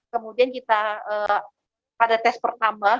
kemudian kita pada tes pertama